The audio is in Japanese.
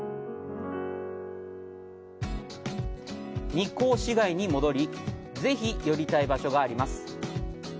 日光市街に戻り、ぜひ寄りたい場所があります。